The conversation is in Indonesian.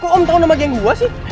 kok om tau nama geng gua sih